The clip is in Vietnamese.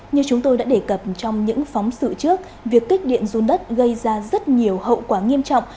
như chúng tôi đã đề cập trong những phóng sự trước việc kích điện run đất gây ra rất nhiều hậu quả nghiêm trọng